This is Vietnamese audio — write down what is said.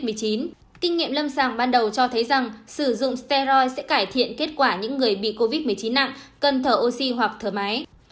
kinh nghiệm lâm sàng ban đầu cho thấy rằng sử dụng stenoi sẽ cải thiện kết quả những người bị covid một mươi chín nặng cần thở oxy hoặc thở máy